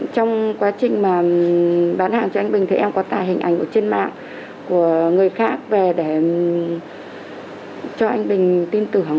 trong quá trình bán hàng cho anh bình em có tài hình ảnh trên mạng của người khác về để cho anh bình tin tưởng